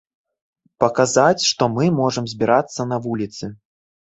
Паказаць, што мы можам збірацца на вуліцы.